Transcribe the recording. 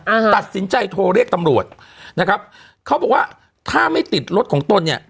อ่าตัดสินใจโทรเรียกตำรวจนะครับเขาบอกว่าถ้าไม่ติดรถของตนเนี่ย